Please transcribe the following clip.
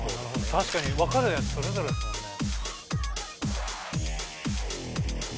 確かに分かるやつそれぞれですもんね。